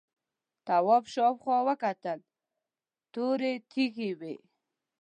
تواب شاوخوا وکتل تورې تیږې وې.